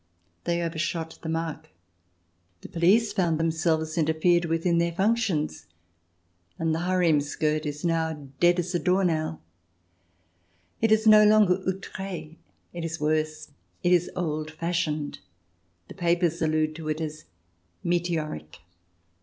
They overshot the mark; the police found them selves interfered with in their functions ; and the harem skirt is now dead as a door nail. It is no longer outre ; it is worse — it is old fashioned. The papers allude to it as " meteoric."